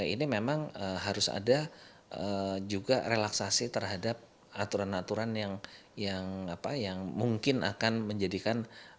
ini memang harus ada juga relaksasi terhadap aturan aturan yang mungkin akan menjadikan